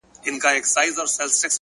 لوړ ارمانونه ستر عملونه غواړي!